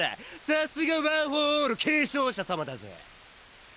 さすがワン・フォー・オール継承者様だぜ！